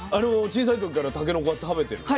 小さい時からたけのこは食べてるの？